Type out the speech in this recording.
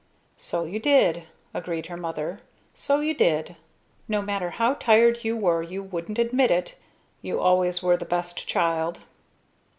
"So you did," agreed her mother. "So you did! No matter how tired you were you wouldn't admit it. You always were the best child!"